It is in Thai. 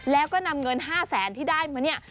แล้วก็นำเงิน๕แสนที่ได้มาเนี่ย